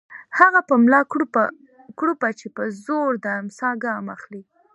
هغه په ملا کړوپه چې په زور د امساء ګام اخلي